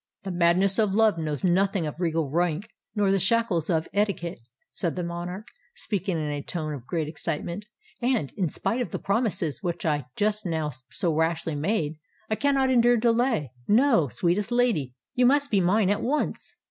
"The madness of love knows nothing of regal rank nor the shackles of etiquette," said the monarch, speaking in a tone of great excitement; "and, in spite of the promises which I just now so rashly made, I cannot endure delay. No—sweetest lady—you must be mine at once!"